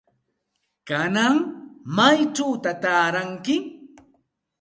¿Kanan maychawta taaranki?